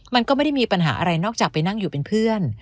มันก็ไม่ได้มีปัญหาอะไรนอกจากไปนั่งอยู่เป็นเพื่อน